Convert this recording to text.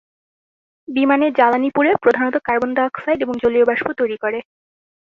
বিমানের জ্বালানী পুড়ে প্রধানত কার্বন ডাইঅক্সাইড এবং জলীয় বাষ্প তৈরি করে।